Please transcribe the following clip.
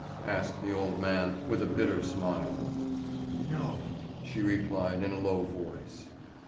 asked the old man with a bitter smile. "No," she replied in a low voice.